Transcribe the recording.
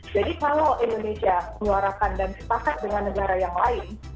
jadi kalau indonesia menyuarakan dan sepakat dengan negara yang lain